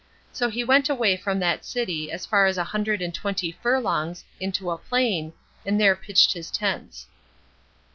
So he went away from that city as far as a hundred and twenty furlongs, into a plain, and there pitched his tents.